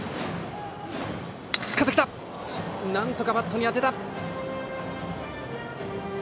なんとかバットに当てた。